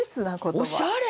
おしゃれ！